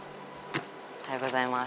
おはようございます。